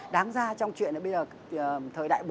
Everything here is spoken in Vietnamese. đáng ra trong chuyện bây giờ thời đại bốn